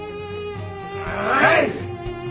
はい！